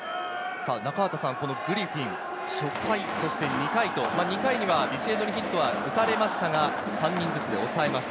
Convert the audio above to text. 中畑さん、グリフィン、初回そして２回と、２回にはビシエドにヒットを打たれましたが、３人ずつで抑えました。